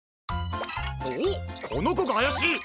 おっこのこがあやしい！